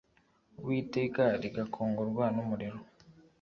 Uwiteka rigakongorwa n umuriro